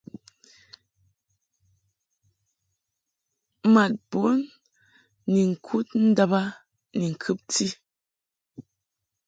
Mad bun ni ŋkud ndàb a ni ŋkɨbti.